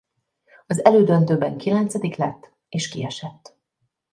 Az elődöntőben kilencedik lett és kiesett.